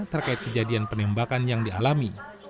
terkait kejadian penembakan yang dialami